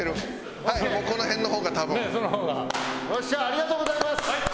ありがとうございます。